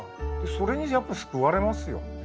それにやっぱ救われますよ。